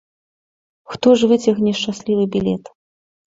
Хто ж выцягне шчаслівы білет?